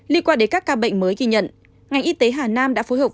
liên quan đến các ca bệnh mới ghi nhận ngành y tế hà nam đã phối hợp